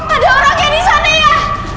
ada orangnya di sana ya